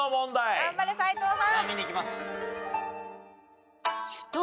頑張れ斎藤さん！